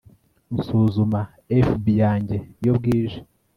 nsuzuma fb yanjye iyo bwije